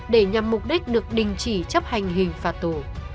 để nhằm mục đích được đình chỉ chấp hành hình phạt tù